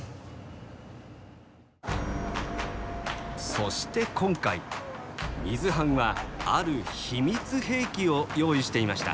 そして今回水班はある秘密兵器を用意していました。